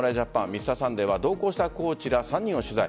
「Ｍｒ．サンデー」は同行したコーチら３人を取材。